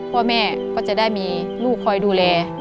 พ่อแม่ก็จะได้มีลูกคอยดูแล